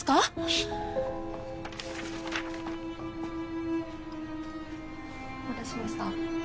しっ！お待たせしました。